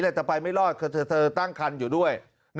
แต่ไปไม่รอดคือเธอตั้งคันอยู่ด้วย